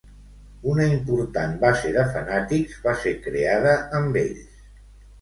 Una important base de fanàtics va ser creada amb ells.